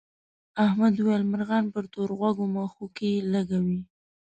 احمد وویل مرغان پر تور غوږو مښوکې لکوي.